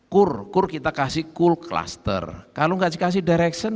kur kur kita kasih cool cluster kalau nggak dikasih direction